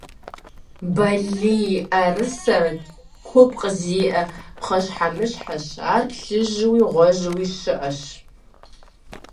Балийӏэрысэр купкъ зиӏэ пхъэщхьэмыщхьэщ, ар плъыжьууи гъуэжьууи щыӏэщ.